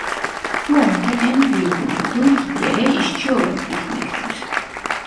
Bu arada en büyük umudu Libya'ya işçi olarak gitmektir.